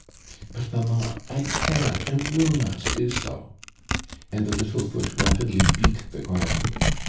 " But, mamma, 1 canr ' vill not do so," and tho little foot rapit it tho ground.